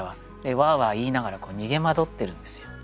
ワーワー言いながら逃げ惑ってるんですよ。